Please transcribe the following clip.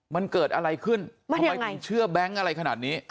มันเกิดอะไรขึ้นทำไมถึงเชื่อแบงค์อะไรขนาดนี้